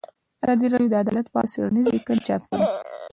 ازادي راډیو د عدالت په اړه څېړنیزې لیکنې چاپ کړي.